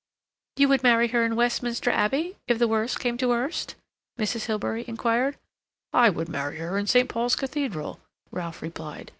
"You would marry her in Westminster Abbey if the worst came to the worst?" Mrs. Hilbery inquired. "I would marry her in St. Paul's Cathedral," Ralph replied.